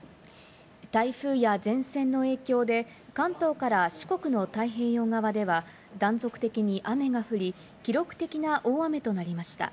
台風や前線の影響で、関東から四国の太平洋側では断続的に雨が降り、記録的な大雨となりました。